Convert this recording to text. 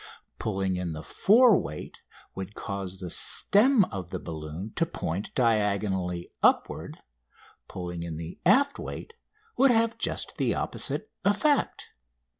Pulling in the fore weight would cause the stem of the balloon to point diagonally upward; pulling in the aft weight would have just the opposite effect.